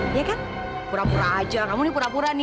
itu ponselnya jirik stability